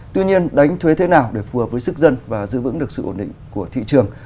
tuy nhiên đánh thuế thế nào để phù hợp với sức dân và giữ vững được sự ổn định của thị trường